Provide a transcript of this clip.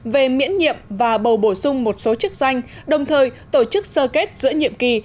về miễn nhiệm và bầu bổ sung một số chức danh đồng thời tổ chức sơ kết giữa nhiệm kỳ